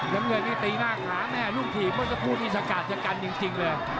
ยังเกิดไม่ตีหน้าขาแม่ลูกทีมก็จะพูดอิสกาลเจ้ากันจริงเลย